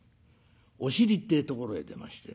お尻ってえところへ出まして。